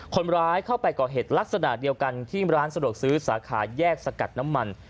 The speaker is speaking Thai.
คนร้ายเข้าไปก่อเหตุลักษณะเดียวกันที่ร้านสะดวกซื้อสาขาแยกสกัดน้ำมัน